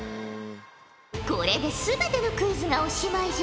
これで全てのクイズがおしまいじゃ。